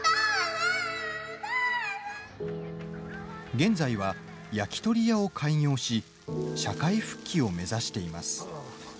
現在は、焼き鳥屋を開業し社会復帰を目指しています。